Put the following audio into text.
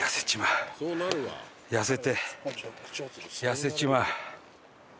痩せて痩せちまう。